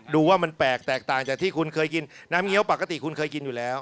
ดูว่ามันแปลกแตกต่างจากที่คุณเคยกินน้ำเงี้ยวปกติคุณเคยกินอยู่แล้ว